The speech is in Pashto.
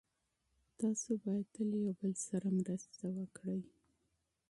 تاسو باید تل یو بل سره مرسته وکړئ.